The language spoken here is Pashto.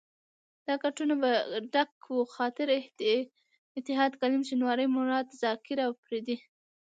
دا کټونه به ډک وو، خاطر، اتحاد، کلیم شینواری، مراد، زاکر اپرېدی.